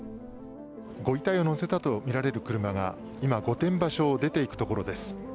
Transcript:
ご遺体を載せたとみられる車が今、御殿場署を出ていくところです